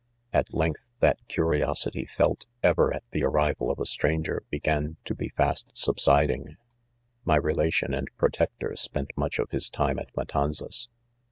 c At length that curiosity felt, ever, at the arrival of a stranger, began to be fast subsi ding. My relation and protector' spent much of his time at Matanzas.